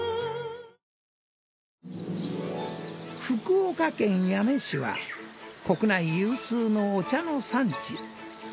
福岡県八女市は国内有数のお茶の産地。